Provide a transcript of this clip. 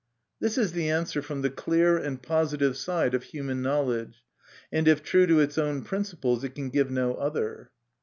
This is the answer from the clear and positive side of human knowledge, and if true to its own principles it can give no other.